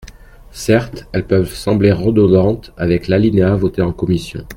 Certes, elles peuvent sembler redondantes avec l’alinéa voté en commission.